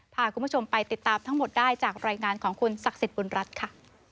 พาคุณผู้ชมไปติดตามทั้งหมดได้จากรายงานของคุณศักดิ์สิทธิบุญรัฐค่ะ